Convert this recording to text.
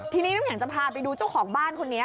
ทีนี้น้ำแข็งจะพาไปดูเจ้าของบ้านคนนี้